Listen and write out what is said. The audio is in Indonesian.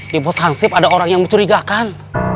di bosan sip ada orang yang mencurigakan